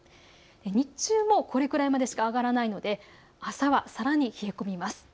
日中もこれくらいまでしか上がらないので朝はさらに冷え込みます。